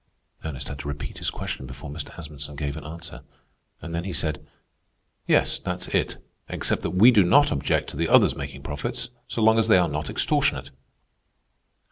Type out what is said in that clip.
Ernest had to repeat his question before Mr. Asmunsen gave an answer, and then he said: "Yes, that's it, except that we do not object to the others making profits so long as they are not extortionate."